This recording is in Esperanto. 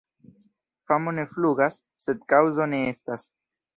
Famo ne flugas, se kaŭzo ne estas.